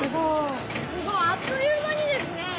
すごいあっという間にですね。